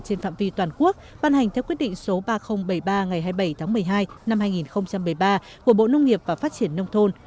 trên phạm vi toàn quốc ban hành theo quyết định số ba nghìn bảy mươi ba ngày hai mươi bảy tháng một mươi hai năm hai nghìn một mươi ba của bộ nông nghiệp và phát triển nông thôn